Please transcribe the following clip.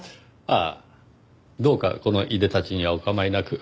ああどうかこのいでたちにはお構いなく。